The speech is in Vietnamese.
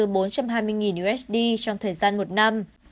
hơn bốn trăm hai mươi usd trong thời gian một năm